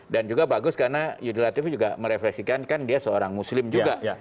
dan juga bagus karena yudi latif juga merefleksikan kan dia seorang muslim juga